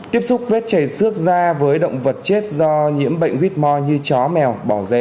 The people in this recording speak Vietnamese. tiếp xúc vết chảy xước da với động vật chết do nhiễm bệnh whitmore như chó mèo bò dê